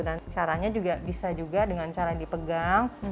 dan caranya juga bisa juga dengan cara dipegang